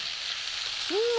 うん！